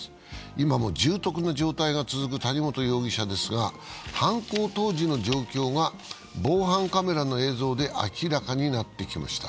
今も重篤な状態が続く谷本容疑者ですが犯行当時の状況が防犯カメラの映像で明らかになってきました。